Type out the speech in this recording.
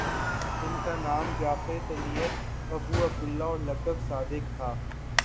ان کا نام جعفر کنیت ابو عبد اللہ اور لقب صادق تھا